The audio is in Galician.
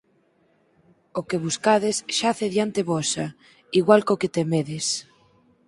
O que buscades xace diante vosa, igual ca o que temedes.